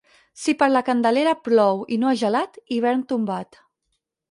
Si per la Candelera plou i no ha gelat, hivern tombat.